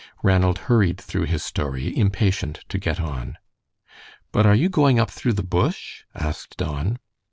Ranald hurried through his story, impatient to get on. "But are you going up through the bush?" asked Don.